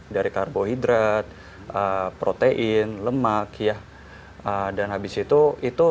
dari karbohidrat protein lemak ya dan habis itu